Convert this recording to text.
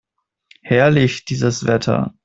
Herrlich, dieses Wetter!